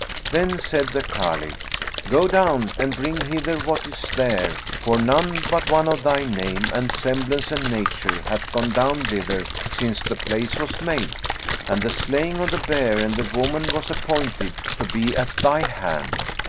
Then said the Caliph, 'Go down and bring hither what is there; for none but one of thy name and semblance and nature hath gone down thither since the place was made, and the slaying of the bear and the woman was appointed to be at thy hand.